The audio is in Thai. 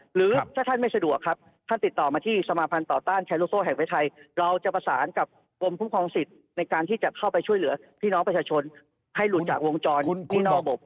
หรือถ้าท่านไม่สะดวกครับท่านติดต่อมาที่สมาภัณฑ์ต่อต้านแชร์ลูกโซ่แห่งประเทศไทยเราจะประสานกับกรมคุ้มครองสิทธิ์ในการที่จะเข้าไปช่วยเหลือพี่น้องประชาชนให้หลุดจากวงจรบนระบบ